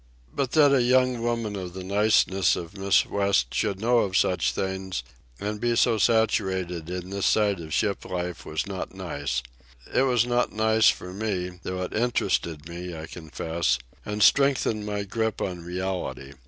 But that a young woman of the niceness of Miss West should know of such things and be so saturated in this side of ship life was not nice. It was not nice for me, though it interested me, I confess,—and strengthened my grip on reality.